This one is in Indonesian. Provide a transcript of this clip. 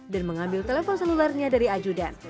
dan mengambil telepon selularnya dari ajudan